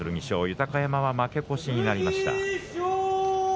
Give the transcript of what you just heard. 豊山は負け越しになりました。